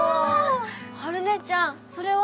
はる姉ちゃんそれは？